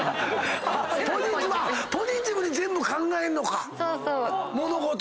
ポジティブに全部考えんのか⁉物事を。